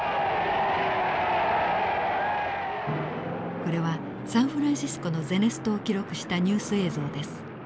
これはサンフランシスコのゼネストを記録したニュース映像です。